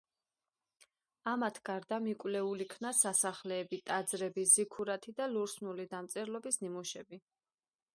ამათ გარდა მიკვლეულ იქნა სასახლეები, ტაძრები, ზიქურათი და ლურსმნული დამწერლობის ნიმუშები.